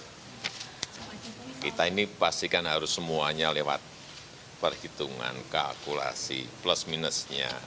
jadi kita ini pastikan harus semuanya lewat perhitungan kalkulasi plus minusnya